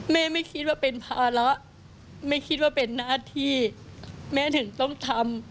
แม่ไม่คิดว่าเป็นภาระไม่คิดว่าเป็นหน้าที่แม่ถึงต้องทำ